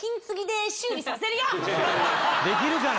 できるかな？